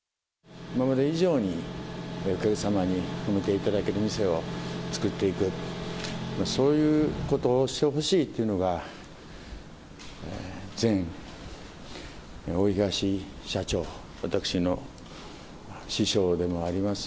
今まで以上にお客様に褒めていただける店を作っていく、そういうことをしてほしいというのが、前大東社長、私の師匠でもあります